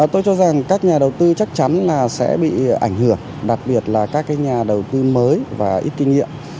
tôi cho rằng các nhà đầu tư chắc chắn là sẽ bị ảnh hưởng đặc biệt là các nhà đầu tư mới và ít kinh nghiệm